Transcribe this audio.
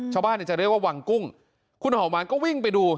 ชาวบ้านจะเรียกว่าวังกุ้งคุณหอมหวานก็วิ่งไปดู